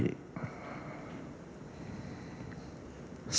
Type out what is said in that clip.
ini ketiga kali